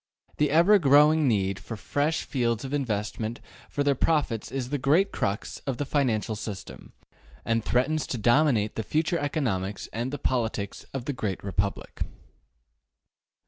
This ever growing need for fresh fields of investment for their profits is the great crux of the financial system, and threatens to dominate the future economics and the politics of the great Republic.